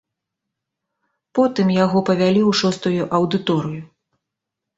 Потым яго павялі ў шостую аўдыторыю.